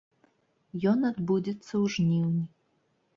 Ён адбудзецца ў жніўні.